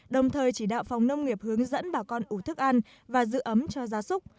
đồng thời chỉ đạo phòng nông nghiệp hướng dẫn bà con ủ thức ăn và giữ ấm cho gia súc